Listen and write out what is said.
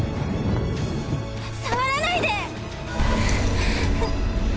触らないで！